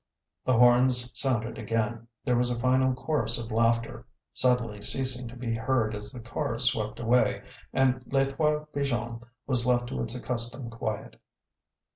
The horns sounded again; there was a final chorus of laughter, suddenly ceasing to be heard as the cars swept away, and Les Trois Pigeons was left to its accustomed quiet.